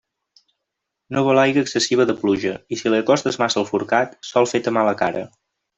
No vol aigua excessiva de pluja, i si li acostes massa el forcat, sol fer-te mala cara.